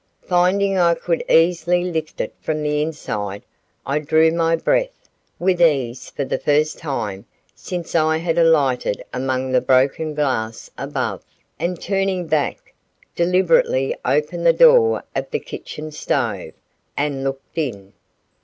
Finding I could easily lift it from the inside, I drew my breath with ease for the first time since I had alighted among the broken glass above, and turning back, deliberately opened the door of the kitchen stove, and looked in.